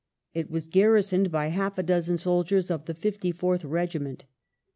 It was garrisoned bv half a dozen soldiers of the 54th Regiment.